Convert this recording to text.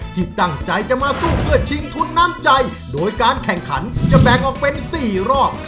ที่ตั้งใจจะมาสู้เพื่อชิงทุนน้ำใจโดยการแข่งขันจะแบ่งออกเป็น๔รอบ